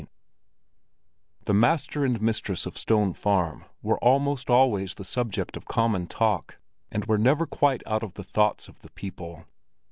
XIX The master and mistress of Stone Farm were almost always the subject of common talk, and were never quite out of the thoughts of the people.